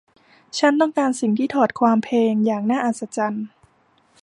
ฉันต้องการสิ่งที่ถอดความเพลงอย่างน่าอัศจรรย์